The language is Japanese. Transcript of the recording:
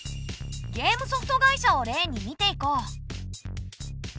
ゲームソフト会社を例に見ていこう。